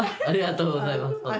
ありがとうございます。